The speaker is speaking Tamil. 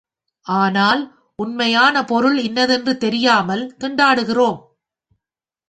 ஆனால் உண்மையான பொருள் இன்னதென்று தெரியாமல் திண்டாடுகிறோம்.